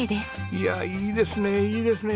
いやいいですねいいですね。